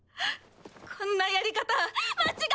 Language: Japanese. こんなやり方間違ってる！